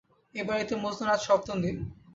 এই বাড়িতে মজনুর আজ সপ্তম দিন।